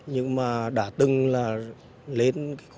nhưng mà đối tượng này là nhiệm hnvt trả đồn cuối rồi